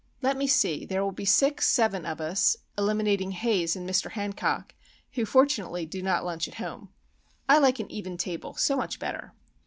Let me see, there will be six, seven, of us,—eliminating Haze and Mr. Hancock, who fortunately do not lunch at home. I like an even table so much better."